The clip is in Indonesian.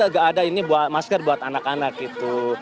terus kekurangan kita untuk secara fisik ya secara fisik kita butuh